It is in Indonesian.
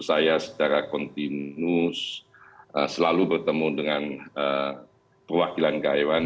saya secara kontinu selalu bertemu dengan perwakilan karyawan